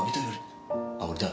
あっ俺だ。